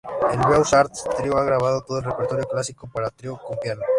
El Beaux Arts Trío ha grabado todo el repertorio clásico para trío con piano.